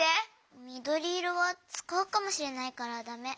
みどりいろはつかうかもしれないからダメ。